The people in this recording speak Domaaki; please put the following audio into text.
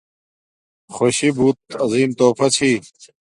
خوشی بوت عظیم توفہ چھی